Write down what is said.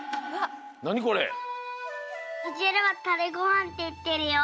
うちではタレごはんっていってるよ！